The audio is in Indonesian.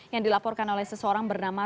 yang dilaporkan oleh seseorang bernama